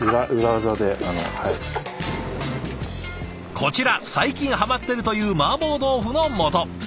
こちら最近はまってるというマーボー豆腐のもと。